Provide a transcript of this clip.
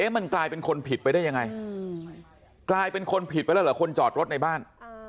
มันกลายเป็นคนผิดไปได้ยังไงกลายเป็นคนผิดไปแล้วเหรอคนจอดรถในบ้าน